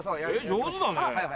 上手だね。